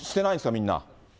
みんな。